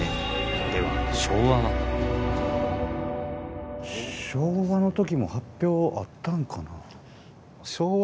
では昭和の時も発表あったんかな。